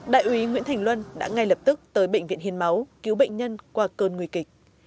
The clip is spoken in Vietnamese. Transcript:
đại úy nguyễn thành luân đã ngay lập tức tới bệnh viện hiến máu cứu bệnh nhân qua cơn nguy kịch